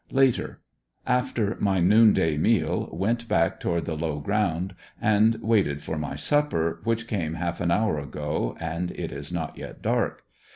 Later. — After my noonday meal went back toward the low ground and waited for my supper, which came half an hour ago and it is not yet dark